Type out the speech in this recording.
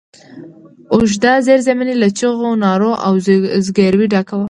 اوږده زېرزميني له چيغو، نارو او زګرويو ډکه وه.